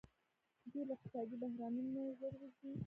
دوی له اقتصادي بحرانونو ژر وځي.